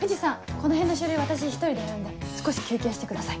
このへんの書類私一人でやるんで少し休憩してください。